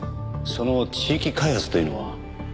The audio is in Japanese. その地域開発というのは？